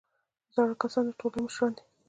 زاړه کسان د ټولنې مشران دي